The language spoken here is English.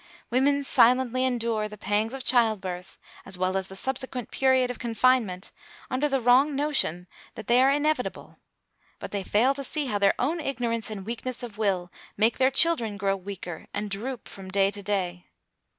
Women silently endure the pangs of child birth, as well as the subsequent period of confinement, under the wrong notion that they are inevitable, but they fail to see how their own ignorance and weakness of will make their children grow weaker and droop from day to day.